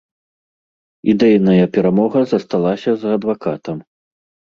Ідэйная перамога засталася за адвакатам.